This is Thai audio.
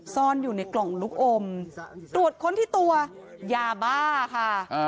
ซ่อนอยู่ในกล่องลูกอมตรวจค้นที่ตัวยาบ้าค่ะ